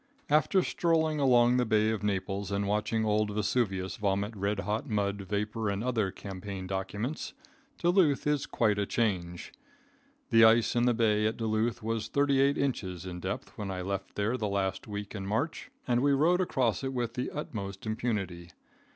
After strolling along the Bay of Naples and watching old Vesuvius vomit red hot mud, vapor and other campaign documents, Duluth is quite a change. The ice in the bay at Duluth was thirty eight inches in depth when I left there the last week in March, and we rode across it with the utmost impunity.